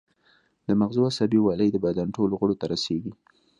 د مغزو عصبي ولۍ د بدن ټولو غړو ته رسیږي